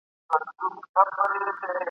یمه او که نه یم په نامه به د جانان یمه ..